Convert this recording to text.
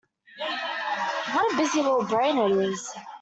What a busy little brain it is.